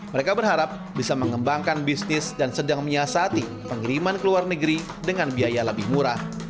mereka berharap bisa mengembangkan bisnis dan sedang menyiasati pengiriman ke luar negeri dengan biaya lebih murah